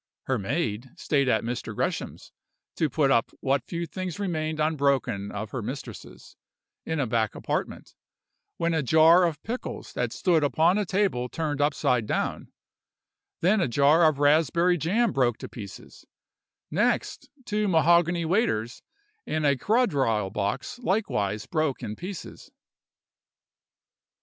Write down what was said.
Her maid stayed at Mr. Gresham's to put up what few things remained unbroken of her mistress's, in a back apartment, when a jar of pickles that stood upon a table turned upside down; then a jar of raspberry jam broke to pieces; next two mahogany waiters and a quadrille box likewise broke in pieces.